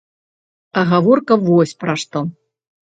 А гаворка вось пра што.